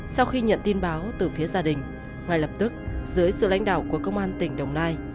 sau khi nhận tin báo từ phía gia đình ngay lập tức dưới sự lãnh đạo của công an tỉnh đồng nai